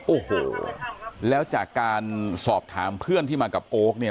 โอ้โหแล้วจากการสอบถามเพื่อนที่มากับโอ๊คเนี่ย